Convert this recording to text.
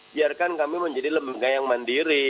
biarkan kami menjadi lembaga yang mandiri